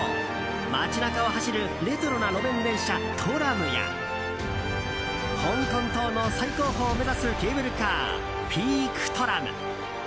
街中を走るレトロな路面電車トラムや香港島の最高峰を目指すケーブルカー、ピークトラム。